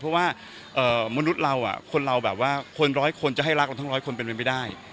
เพราะว่ามนุษย์เราคนเราแบบว่าคนร้อยคนจะให้รักเราทั้งร้อยคนเป็นมันไม่ได้